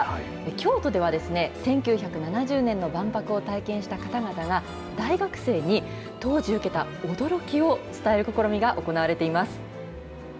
京都では、１９７０年の万博を体験した方々が、大学生に当時受けた驚きを伝える試みが行われています。